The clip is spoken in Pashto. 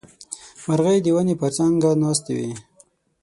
مرغۍ د ونې پر څانګه ناستې وې.